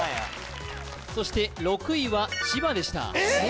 そして６位は千葉でしたえっ！？